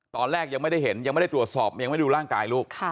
ตอนแรกยังไม่ได้เห็นยังไม่ได้ตรวจสอบยังไม่ดูร่างกายลูก